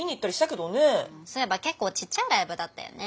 そういえば結構ちっちゃいライブだったよね。